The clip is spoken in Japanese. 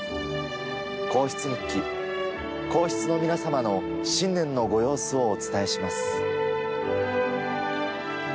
『皇室日記』皇室の皆さまの新年のご様子をお伝えします。